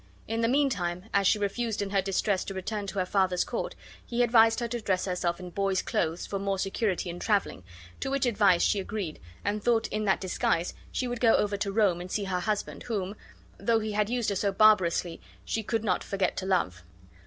In the mean time, as she refused in her distress to return to her father's court, he advised her to dress herself in boy's clothes for more security in traveling; to which advice she agreed, and thought in that disguise she would go over to Rome and see her husband, whom, though he had used her so barbarously, she could no t forget to love.